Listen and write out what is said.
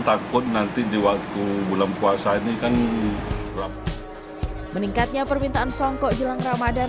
takut nanti di waktu bulan puasa ini kan meningkatnya permintaan songkok jelang ramadhan